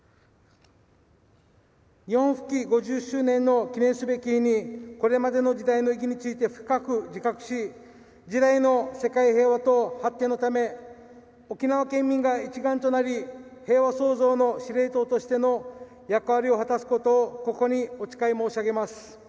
日本復帰５０周年の記念すべき日にこれまでの時代の意義について深く自覚し次代の世界平和と発展のため沖縄県民が一丸となり平和創造の司令塔としての役割を果たすことをここにお誓い申し上げます。